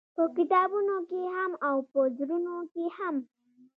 په کتابونو کښې هم او په زړونو کښې هم-